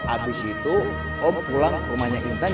abis itu om pulang ke rumahnya intan